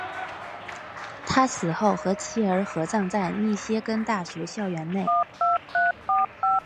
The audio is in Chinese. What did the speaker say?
他死后和妻儿合葬在密歇根大学校园内。